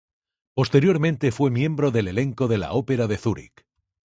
Posteriormente fue miembro del elenco de la Ópera de Zúrich.